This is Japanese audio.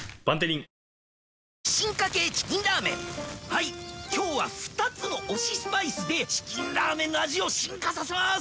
はいっ今日は二つの推しスパイスで『チキンラーメン』の味を進化させます